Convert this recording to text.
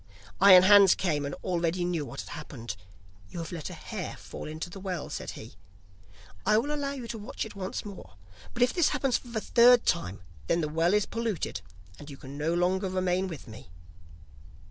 Iron Hans came, and already knew what had happened. 'You have let a hair fall into the well,' said he. 'I will allow you to watch by it once more, but if this happens for the third time then the well is polluted and you can no longer remain with me.